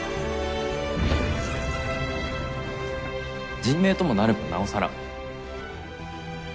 人命ともなればなおさら。